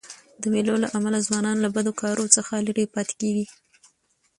د مېلو له امله ځوانان له بدو کارو څخه ليري پاته کېږي.